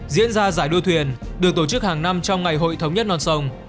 diễn ra giải đua thuyền được tổ chức hàng năm trong ngày hội thống nhất non sông